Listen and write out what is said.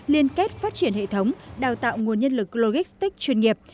liên kết phát triển hệ thống đào tạo nguồn nhân lực logistics chuyên nghiệp